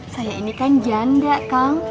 saya ini kan janda kang